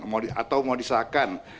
atau mau disahkan